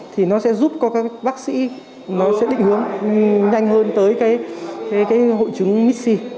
thì nó sẽ giúp các bác sĩ định hướng nhanh hơn tới hội trứng mis c